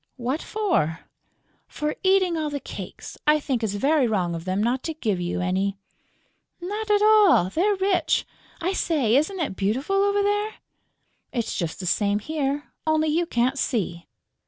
"What for?" "For eating all the cakes. I think it's very wrong of them not to give you any." "Not at all; they're rich!... I say, isn't it beautiful over there?" "It's just the same here, only you can't see...."